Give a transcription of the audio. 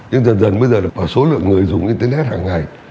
nhưng dần dần bây giờ là số lượng người dùng internet hàng ngày